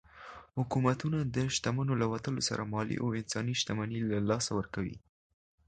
حکومتونه د شتمنو له وتلو سره مالي او انساني شتمني له لاسه ورکوي.